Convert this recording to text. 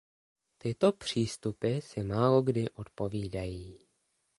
Tyto přístupy si málokdy odpovídají.